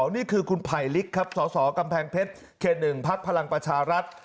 นี่คือคุณไถริกค์สอกำแพงเพชรคภัรังประชารัฐ